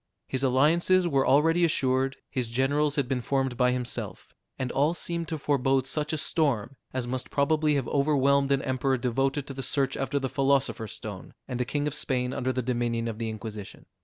His alliances were already assured, his generals had been formed by himself, and all seemed to forebode such a storm as must probably have overwhelmed an emperor devoted to the search after the philosopher's stone, and a king of Spain under the dominion of the Inquisition.